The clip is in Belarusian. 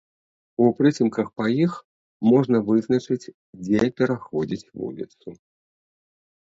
У прыцемках па іх можна вызначыць, дзе пераходзіць вуліцу.